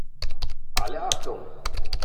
Alle Achtung!